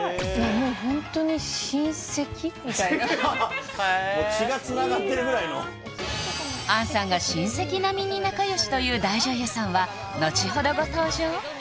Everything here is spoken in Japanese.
もうホントに親戚？みたいなへえ血がつながってるぐらいの杏さんが親戚並みに仲良しという大女優さんは後ほどご登場！